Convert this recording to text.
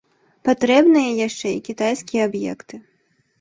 Патрэбныя яшчэ і кітайскія аб'екты.